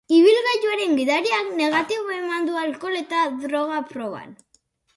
Ibilgailuaren gidariak negatibo eman du alkohol eta droga proban.